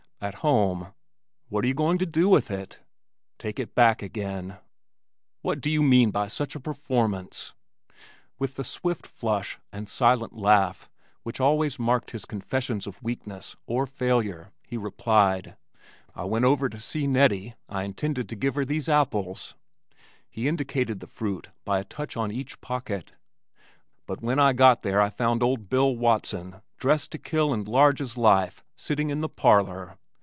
"At home." "What are you going to do with it?" "Take it back again." "What do you mean by such a performance?" With the swift flush and silent laugh which always marked his confessions of weakness, or failure, he replied, "I went over to see Nettie. I intended to give her these apples," he indicated the fruit by a touch on each pocket, "but when I got there I found old Bill Watson, dressed to kill and large as life, sitting in the parlor.